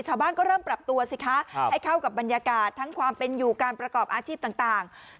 ชาวบ้านก็เริ่มปรับตัวสิคะให้เข้ากับบรรยากาศทั้งความเป็นอยู่การประกอบอาชีพต่าง